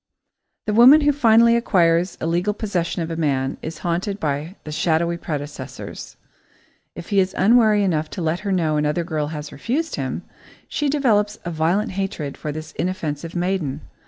The woman who finally acquires legal possession of a man is haunted by the shadowy predecessors. If he is unwary enough to let her know another girl has refused him, she develops a violent hatred for this inoffensive maiden.